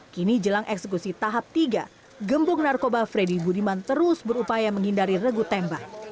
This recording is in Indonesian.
kini jelang eksekusi tahap tiga gembong narkoba freddy budiman terus berupaya menghindari regu tembak